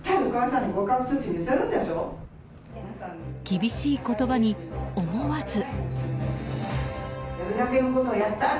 厳しい言葉に、思わず。